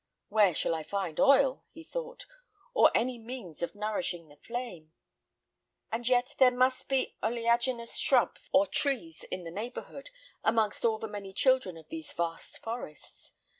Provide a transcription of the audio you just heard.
"Where shall I find oil?" he thought, "or any means of nourishing the flame; and yet there must be oleaginous shrubs or trees in the neighbourhood, amongst all the many children of these vast forests.